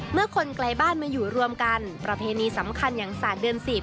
เมื่อคนไกลบ้านมาอยู่รวมกันประเพณีสำคัญอย่างศาสตร์เดือน๑๐